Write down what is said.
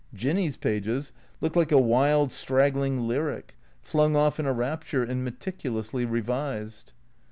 Jinny's pages looked like a wild, straggling lyric, flung off in a rapture and meticulously revised.